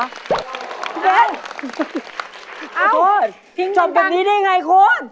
พี่แก๊นโคตรชมเป็นนี้ได้ไงโคตร